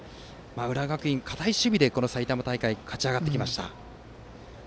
浦和学院は堅い守備で埼玉大会を勝ち上がりました。